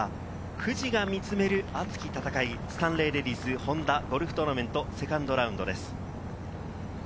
富士が見つめる熱き戦い、スタンレーレディスホンダゴルフトーナメント、セカンドラウンドです。